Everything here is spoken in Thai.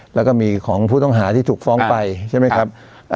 แล้วก็มีของผู้ต้องหาที่ถูกฟ้องไปใช่ไหมครับ